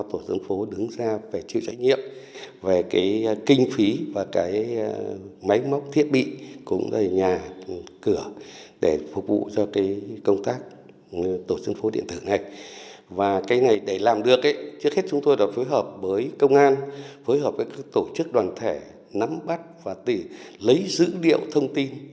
tổ chức đoàn thể nắm bắt và lấy dữ liệu thông tin